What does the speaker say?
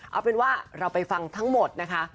เอาเป็นว่าเราไปฟังทั้งหมดนะคะ